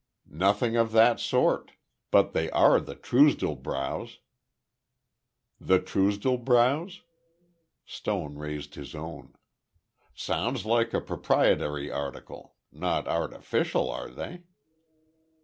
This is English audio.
"Nothing of that sort. But they are the Truesdell brows." "The Truesdell brows?" Stone raised his own. "Sounds like a proprietary article. Not artificial, are they?"